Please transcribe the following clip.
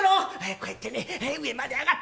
「こうやってね上まで上がってねいったい！